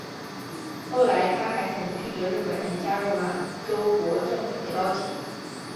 后来他还曾拒绝日本人加入满洲国政府的邀请。